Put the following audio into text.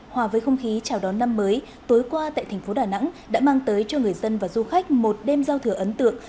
hòa với không khí chào đón năm mới tối qua tại thành phố đà nẵng đã mang tới cho người dân và du khách một đêm giao thừa ấn tượng